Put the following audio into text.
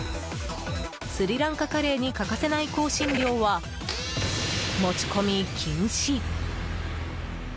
スリランカカレーに欠かせない香辛料は持ち込み禁止。